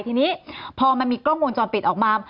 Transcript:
ทีนี้พอมันมีกล้องวงจรปิดออกมา